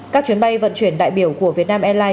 các chuyến bay vận chuyển đại biểu của việt nam airlines